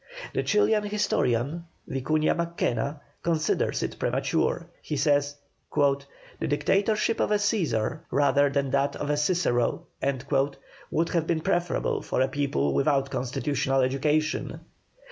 The Chilian historian, Vicuña Mackenna, considers it premature. He says, "the dictatorship of a Cæsar rather than that of a Cicero" would have been preferable for a people without constitutional education.